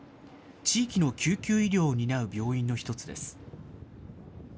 地域の救急医療を担う病院の一つです。